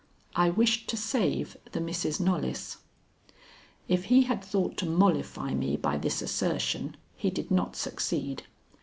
I wished to save the Misses Knollys." If he had thought to mollify me by this assertion, he did not succeed.